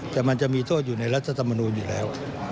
แต่มันจะมีโทษอยู่ในรัฐธรรมนูลอยู่แล้ว